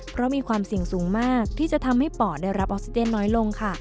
เพราะมีความเสี่ยงสูงมากที่จะทำให้ปอดได้รับออกซิเจนน้อยลงค่ะ